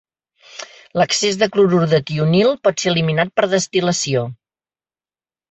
L'excés de clorur de tionil pot ser eliminat per destil·lació.